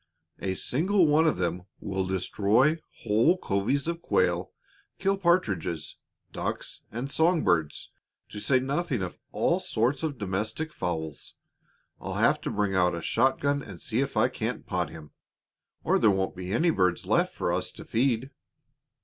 A single one of them will destroy whole covies of quail, kill partridges, ducks, and song birds, to say nothing of all sorts of domestic fowls. I'll have to bring out a shotgun and see if I can't pot him, or there won't be any birds left for us to feed."